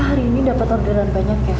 hari ini dapat orderan banyak ya